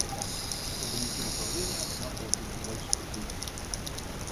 Чтобы найти направление, надо было отойти дальше под ветер.